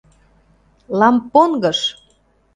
Лампонгыш!..